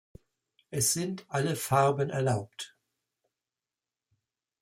Es sind alle Farben erlaubt.